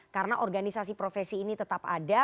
karena organisasi profesi ini tetap ada